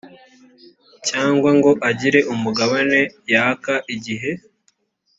cyangwa ngo agire umugabane yaka igihe